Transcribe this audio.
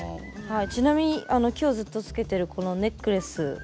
ちなみに今日ずっとつけてるこのネックレス